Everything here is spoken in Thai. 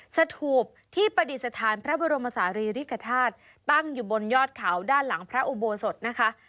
สถูปที่ประดิษฐานพระบรมศาลีริกฐาตุตั้งอยู่บนยอดเขาด้านหลังพระอุโบสถนะคะ